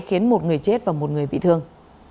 khiến một người chết và một người bị thương